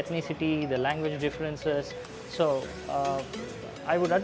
jadi saya sarankan untuk startup untuk memperhatikan kultur